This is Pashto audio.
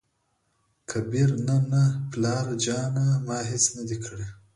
کبير : نه نه نه پلاره جانه ! ما هېڅ نه دى کړي.